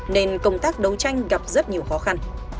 nên công tác đấu tranh gặp rất nhiều khó khăn